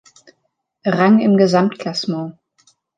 Rang im Gesamtklassement.